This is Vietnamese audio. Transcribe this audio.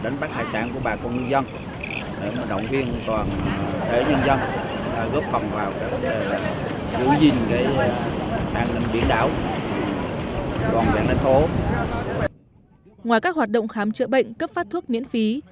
ngoài các hoạt động khám chữa bệnh cấp phát thuốc miễn phí